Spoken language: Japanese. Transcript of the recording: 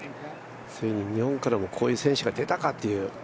ついに日本からもこういう選手が出たかという。